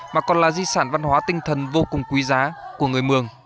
mà còn là di sản văn hóa tinh thần vô cùng quý giá của người mường